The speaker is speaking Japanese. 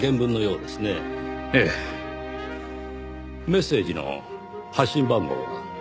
メッセージの発信番号は？